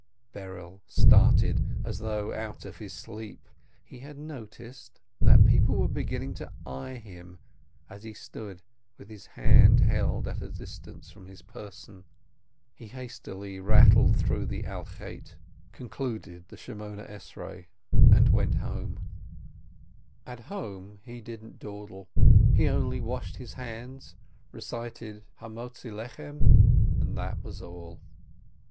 Berel started, as though out of his sleep. He had noticed that people were beginning to eye him as he stood with his hand held at a distance from his person. He hastily rattled through "For the sin, ..." concluded the Eighteen Benedictions, and went home. YOM KIPPUK 195 At home, he didn't dawdle, he only washed his hands, recited "Who bringest forth bread," and that was all.